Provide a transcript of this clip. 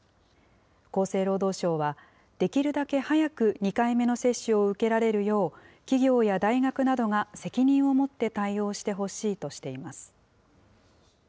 厚生労働省は、できるだけ早く２回目の接種を受けられるよう、企業や大学などが責任を持って対応してほしいとしています。